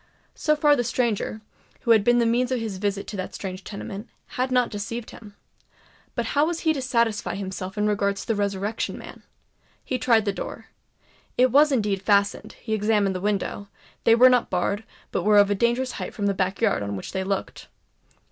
So far the stranger, who had been the means of his visit to that strange tenement, had not deceived him. But how was he to satisfy himself in regard to the Resurrection Man? He tried the door—it was indeed fastened; he examined the windows—they were not barred, but were of a dangerous height from the back yard on which they looked.